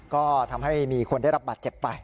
ก็ทำให้มีคนได้รับบาดเจ็บไป